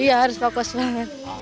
iya harus fokus banget